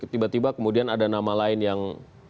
tiba tiba kemudian ada nama lain yang